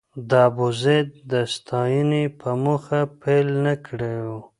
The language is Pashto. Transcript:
د ابوزید د ستاینې په موخه پيل نه کړی و.